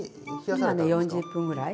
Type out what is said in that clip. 今ね４０分ぐらい。